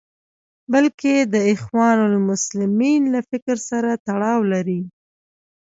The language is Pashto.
بلکې د اخوان المسلمین له فکر سره تړاو لري.